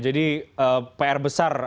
jadi pr besar menanti joe biden setelah inaugurasi